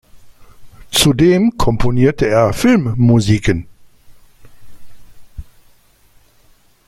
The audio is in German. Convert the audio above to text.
Zudem komponierte er Filmmusiken.